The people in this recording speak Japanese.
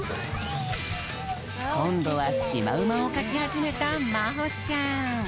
こんどはシマウマをかきはじめたまほちゃん。